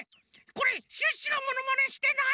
これシュッシュがモノマネしてない！？